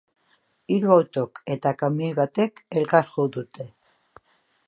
Hiru autok eta kamioi batek elkar jo dute.